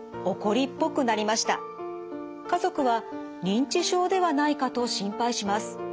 家族は認知症ではないかと心配します。